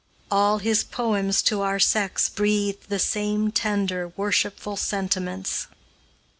All his poems to our sex breathe the same tender, worshipful sentiments.